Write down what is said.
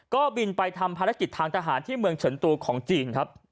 ก็บินไปทำภารกิจทางทหารที่เมืองเฉินตูของจีนครับ